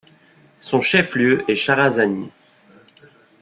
Son chef-lieu est Charazani.